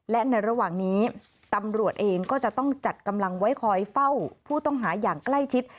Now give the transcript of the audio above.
และในระหว่างนี้ตำรวจเองก็จะต้องจัดกำลังไว้คอยเฝ้าผู้ต้องหาอย่างใกล้ชิด